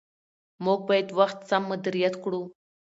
موږ باید وخت سم مدیریت کړو